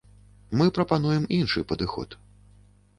Мы прапануем іншы падыход.